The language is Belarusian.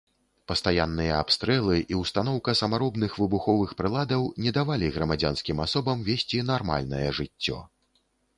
Пастаянныя абстрэлы і ўстаноўка самаробных выбуховых прыладаў не давалі грамадзянскім асобам весці нармальнае жыццё.